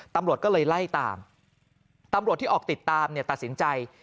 ตำรวจก็เลยไล่ตามตำรวจที่ออกติดตามเนี่ยตัดสินใจ